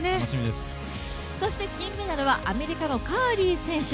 そして金メダルはアメリカのカーリー選手。